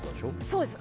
そうです。